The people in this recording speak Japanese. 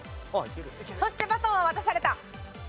『そして、バトンは渡された』。